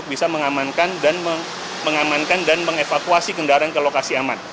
ini segera untuk bisa mengamankan dan mengevakuasi kendaraan ke lokasi aman